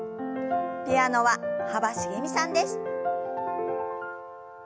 ピアノは幅しげみさんです。